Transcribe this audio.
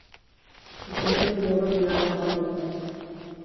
Икенсе ҡулығыҙ менән ҡабатлағыҙ.